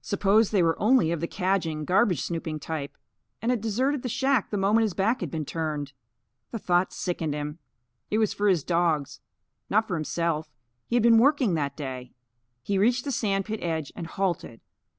Suppose they were only of the cadging, garbage snooping type, and had deserted the shack the moment his back had been turned! The thought sickened him. It was for his dogs, not for himself, he had been working that day. He reached the sand pit edge and halted.